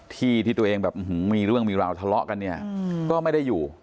ที่ตัวเองแบบอุหงมีเรื่องมีดาวเถาเหล้ากันนี่ก็ไม่ได้อยู่